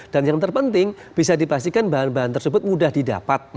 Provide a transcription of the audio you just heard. dan yang terpenting bisa dipastikan bahan bahan tersebut mudah didapat